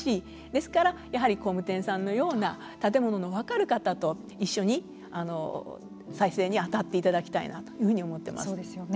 ですからやはり工務店さんのような建物のことが分かる方と一緒に再生に当たっていただきたいなというふうに思っています。